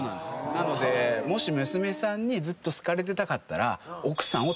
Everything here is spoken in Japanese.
なのでもし娘さんにずっと好かれてたかったら。